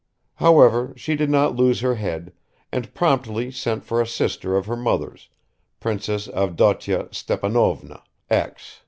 However, she did not lose her head, and promptly sent for a sister of her mother's, Princess Avdotya Stepanovna X.